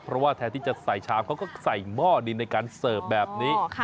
เพราะว่าแทนที่จะใส่ชามเขาก็ใส่หม้อดินในการเสิร์ฟแบบนี้